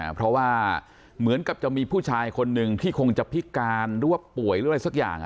เพราะว่าเหมือนกับจะมีผู้ชายคนหนึ่งที่คงจะพิการหรือว่าป่วยหรืออะไรสักอย่าง